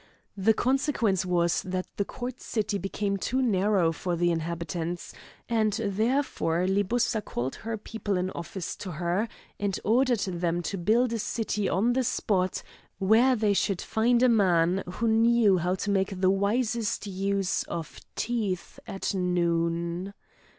The consequence was, that the court city became too narrow for the inhabitants, and therefore Libussa called her people in office to her, and ordered them to build a city on the spot where they should find a man who knew how to make the wisest use of teeth at noon.